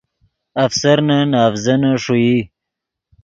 افسرنے نے اڤزینے ݰوئی